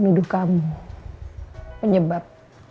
nuduh kamu penyebab